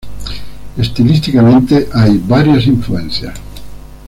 Estilísticamente, hay varias influencias.